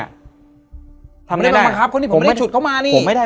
อ่ะทำไมไม่ได้ไม่บังคับคนที่ผมไม่ได้ฉุดเขามานี่ผมไม่ได้